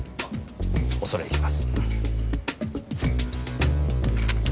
恐れ入ります。